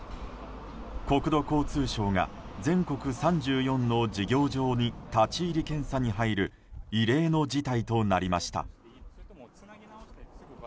国土交通省が全国３４の事業場に立ち入り検査に入る異例の事態となりました。